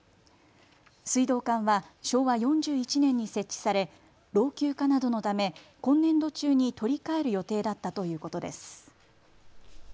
水道管は昭和４１年に設置され老朽化などのため今年度中に取り替える予定だったということです。